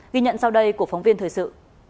ghi nhận sau đây của phóng viên thời sự